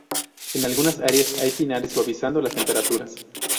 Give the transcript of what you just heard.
En algunas áreas hay pinares suavizando las temperaturas.